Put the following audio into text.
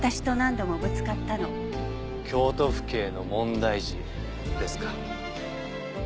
京都府警の問題児ですか。